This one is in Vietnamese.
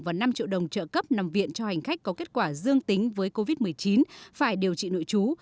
và năm triệu đồng trợ cấp nằm viện cho hành khách có kết quả dương tính với covid một mươi chín phải điều trị nội trú